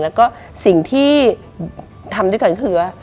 แล้วก็สิ่งที่ทำด้วยกันก็คือว่า